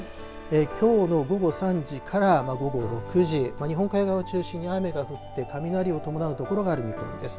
きょうの午後３時から午後６時、日本海側を中心に雨が降って雷を伴うところがあるようです。